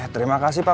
terima kasih pak